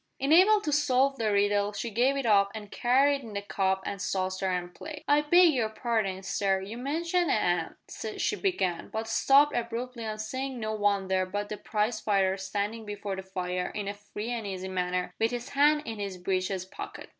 Unable to solve the riddle she gave it up and carried in the cup and saucer and plate. "I beg your parding, sir, you mentioned a 'am," she began, but stopped abruptly on seeing no one there but the prize fighter standing before the fire in a free and easy manner with his hands in his breeches pockets.